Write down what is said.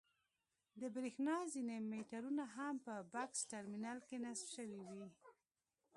د برېښنا ځینې مېټرونه هم په بکس ټرمینل کې نصب شوي وي.